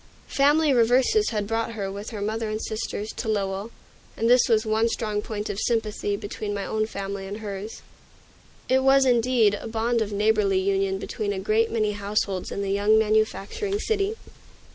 Family reverses had brought her, with her mother and sisters, to Lowell, and this was one strong point of sympathy between my own family and hers. It was, indeed, a bond of neighborly union between a great many households in the young manufacturing city.